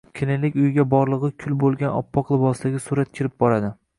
Kelinlik uyiga borlig`i kul bo`lgan oppoq libosdagi surat kirib boradi